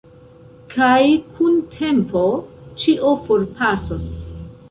Kaj kun tempo ĉio forpasos.